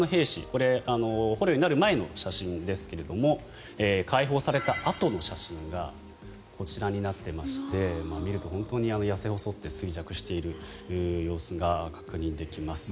これは捕虜になる前の写真ですが解放されたあとの写真がこちらになっていまして見ると、本当にやせ細って衰弱している様子が確認できます。